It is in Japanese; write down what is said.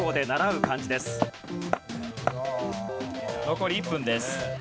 残り１分です。